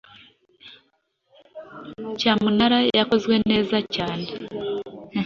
cyamunara yakozwe neza cyane